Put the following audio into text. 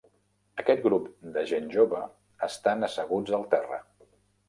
Aquest grup de gent jove estan asseguts al terra.